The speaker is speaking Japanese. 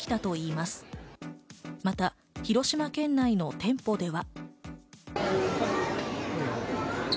また広島県内の店舗では。